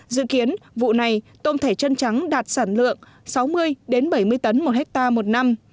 dự kiến vụ này tôm thẻ chân trắng đạt sản lượng sáu mươi bảy mươi tấn một hectare một năm